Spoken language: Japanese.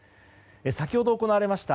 先ほど行われました